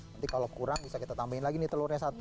nanti kalau kurang bisa kita tambahin lagi nih telurnya satu